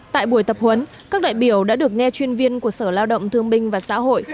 tại buổi tập huấn các đại biểu đã được nghe chuyên viên của sở lao động thương binh và xã hội